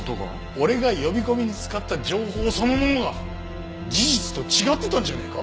俺が呼び込みに使った情報そのものが事実と違ってたんじゃねえか？